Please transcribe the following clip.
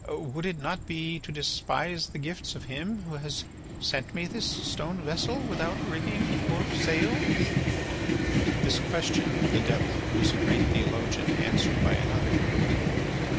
Would it not be to despise the gifts of Him who has sent me this stone vessel without rigging or sail?" This question, the Devil, who is a great theologian, answered by another.